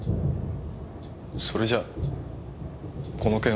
それじゃこの件は。